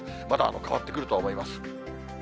まだ変わってくるとは思います。